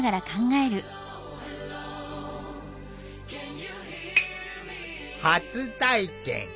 考えるわ。